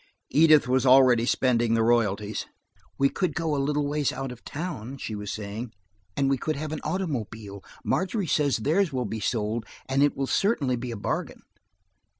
Edith was already spending the royalties. "We could go a little ways out of town," she was saying, "and we could have an automobile; Margery says theirs will be sold, and it will certainly be a bargain.